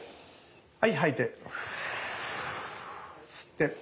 はい吐いて。